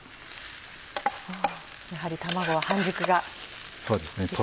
やはり卵は半熟がいいですね。